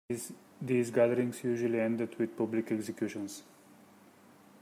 These gatherings usually ended with public executions.